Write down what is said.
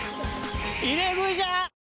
入れ食いじゃ！